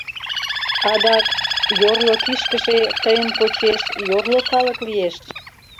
Адак, «йорло кишкыже», тыйын почеш, йорло калык лиеш.